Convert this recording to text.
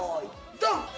ドン。